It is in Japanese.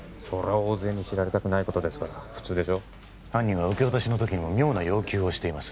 大勢に知られたくないことですから普通でしょ犯人は受け渡しの時にも妙な要求をしています